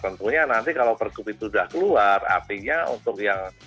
tentunya nanti kalau pergub itu sudah keluar artinya untuk yang